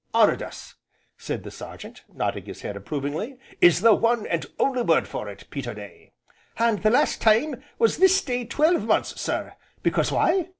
"Honoured us," said the Sergeant, nodding his head approvingly, "is the one, and only word for it, Peterday." "And the last time was this day twelve months, sir, because why?